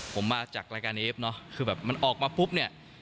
ผมมาจากรายการเดนเองคือแบบมันออกมาปุ๊บไหน